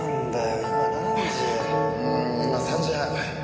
今３時半。